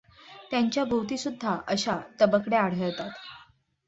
त्यांच्या भोवतीसुद्धा अशा तबकड्या आढळतात.